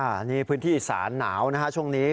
อันนี้พื้นที่อีสานหนาวนะฮะช่วงนี้